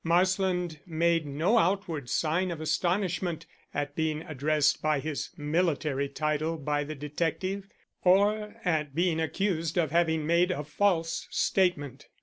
Marsland made no outward sign of astonishment at being addressed by his military title by the detective, or at being accused of having made a false statement.